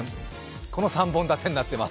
この３本立てになっています。